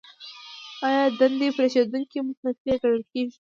ایا د دندې پریښودونکی مستعفي ګڼل کیږي؟